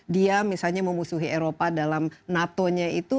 dia misalnya memusuhi eropa dalam nato nya itu